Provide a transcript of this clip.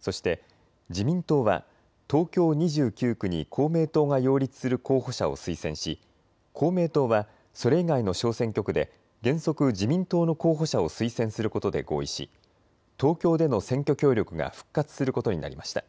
そして自民党は東京２９区に公明党が擁立する候補者を推薦し公明党はそれ以外の小選挙区で原則、自民党の候補者を推薦することで合意し東京での選挙協力が復活することになりました。